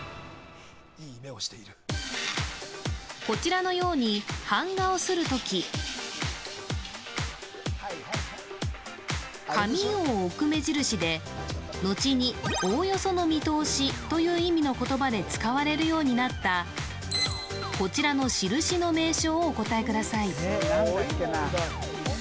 こちらのように、版画を刷るとき紙を置く目印で、後におおよその見通しという意味で言葉で使われるようになったこちらの印の名称をお答えください。